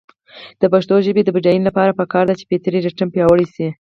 د پښتو ژبې د بډاینې لپاره پکار ده چې فطري ریتم پیاوړی شي.